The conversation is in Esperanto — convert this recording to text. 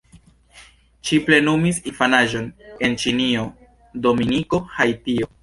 Ŝi plenumis infanaĝon en Ĉinio, Dominiko, Haitio.